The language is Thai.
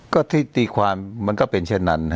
ก็ที่ตีความมันก็เป็นเช่นนั้น